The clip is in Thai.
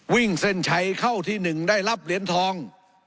วิ่งเส้นชัยเข้าที่๑ได้รับเหรียญทอง